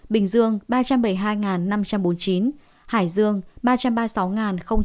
bình dương ba trăm bảy mươi hai năm trăm bốn mươi chín hải dương ba trăm ba mươi sáu